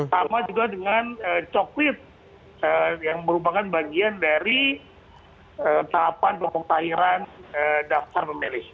sama juga dengan coklit yang merupakan bagian dari tahapan pemutahiran daftar pemilih